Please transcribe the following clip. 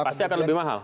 pasti akan lebih mahal